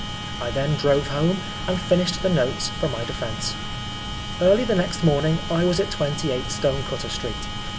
I then drove home, and finished the notes for my defence. Early the next morning I was at 28 Stonecutter Street.